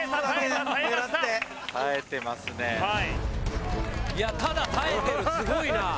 すごいなあ。